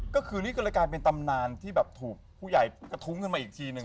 ก็คือนี้ก็เลยกลายเป็นตำนานที่แบบถูกผู้ใหญ่กระทุ้งขึ้นมาอีกทีนึง